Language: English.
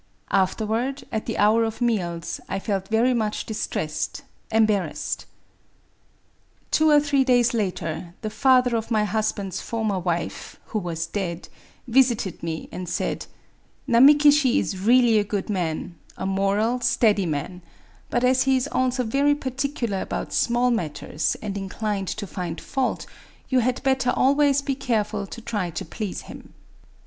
Afterward, at the hour of meals, I felt very much dis tressed [embarrassed']. •.• Two or three days later, the father of my husband's for mer wife [who was dead] visited me, and said :— "Namiki Shi is really a good man, — a moral, steady man ; but as he is also very particular about small matters and inclined to find fault, you had better always be careful to try to please him.'